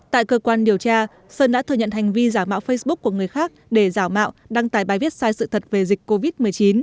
tại cơ quan điều tra sơn đã thừa nhận hành vi giả mạo facebook của người khác để giả mạo đăng tải bài viết sai sự thật về dịch covid một mươi chín